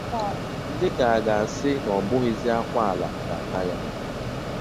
dịkà a ga-asị na ọ bụghịzị akwa ala ga-ata ya